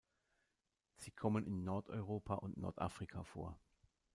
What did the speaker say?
Sie kommen in Nordeuropa und Nordafrika vor.